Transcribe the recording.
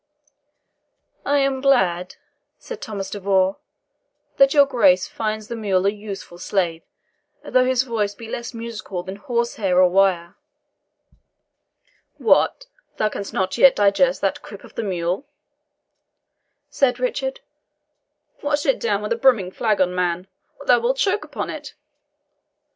"I am glad," said Thomas de Vaux, "that your Grace finds the mule a useful slave, though his voice be less musical than horse hair or wire." "What, thou canst not yet digest that quip of the mule?" said Richard. "Wash it down with a brimming flagon, man, or thou wilt choke upon it.